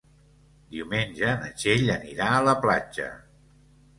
Diumenge na Txell anirà a la platja.